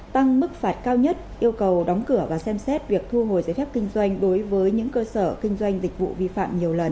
tăng mức phạt cao nhất yêu cầu đóng cửa và xem xét việc thu hồi giấy phép kinh doanh đối với những cơ sở kinh doanh dịch vụ vi phạm nhiều lần